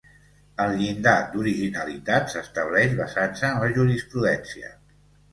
El llindar d'originalitat s'estableix basant-se en la jurisprudència.